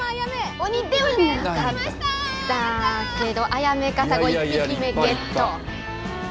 アヤメカサゴ１匹目ゲット。